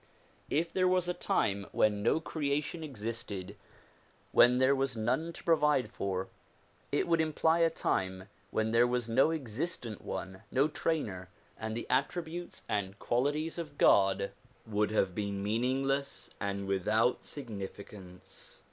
If there was a time when no creation existed, when there was none to provide for, it would imply a time when there was no existent one, no trainer, and the attributes and qualities of God would have been meaningless and without significance.